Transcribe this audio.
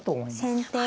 先手